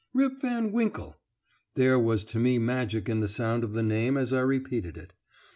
Rip Van Winkle! There was to me magic in the sound of the name as I repeated it.